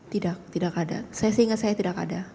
tidak tidak ada saya seingat saya tidak ada